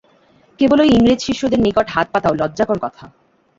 কেবল ঐ ইংরেজ শিষ্যদের নিকট হাত পাতাও লজ্জাকর কথা।